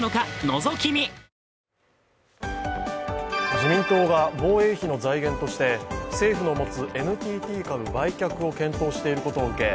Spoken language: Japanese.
自民党が防衛費の財源として政府の持つＮＴＴ株売却を検討していることを受け